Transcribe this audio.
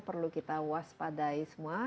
perlu kita waspadai semua